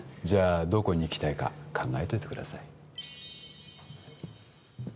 じゃあどこに行きたいか考えといてください